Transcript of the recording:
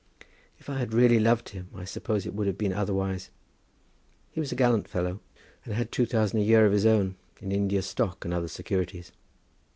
"If I had really loved him I suppose it would have been otherwise. He was a gallant fellow, and had two thousand a year of his own, in India stock and other securities."